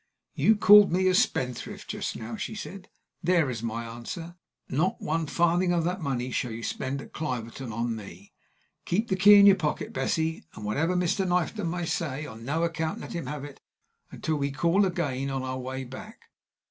"You called me a spendthrift just now," she said. "There is my answer. Not one farthing of that money shall you spend at Cliverton on me. Keep the key in your pocket, Bessie, and, whatever Mr. Knifton may say, on no account let him have it until we call again on our way back.